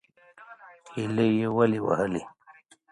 _هيلۍ يې ولې وهلې؟